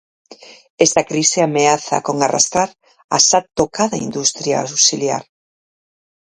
Esta crise ameaza con arrastrar a xa tocada industria auxiliar.